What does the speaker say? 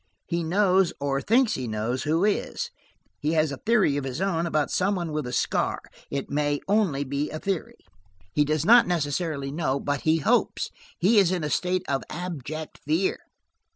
He knows, or thinks he knows, who is. He has a theory of his own, about some one with a scar: it may only be a theory. He does not necessarily know, but he hopes. He is in a state of abject fear.